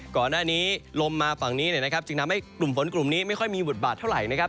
ก่อนหน้านี้ลมมาฝั่งนี้นะครับจึงทำให้กลุ่มฝนกลุ่มนี้ไม่ค่อยมีบทบาทเท่าไหร่นะครับ